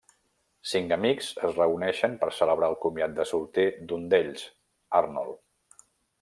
Cinc amics es reuneixen per celebrar el comiat de solter d'un d'ells, Arnold.